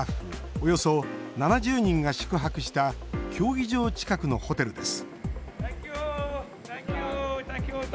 およそ７０人が宿泊した競技場近くのホテルです